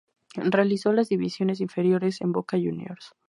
Realizó las divisiones inferiores en Boca Juniors.